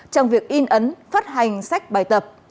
trong việc in ấn phát hành sách bài tập